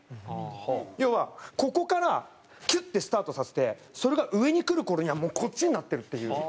要はここからキュッてスタートさせてそれが上にくる頃にはもうこっちになってるっていう。